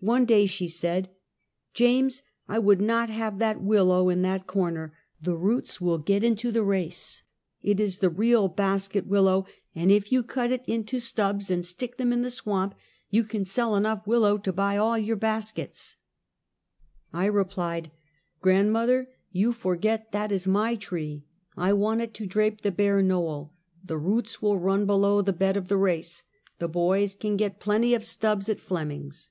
One day she said :" James, I would not have that willow in that cor ner. The roots will get into the race. It is the real basket willow, and if you cut it into stubs and stick them in the swamp, you can sell enough willow to buy all your baskets." Willows by the "Water Courses. 79 I replied: "Grandmother, you forget that is my tree; 1 want it to drape that bare knoll. The roots will run below the bed of the race. The boys can get plenty of stubs at Flemming's."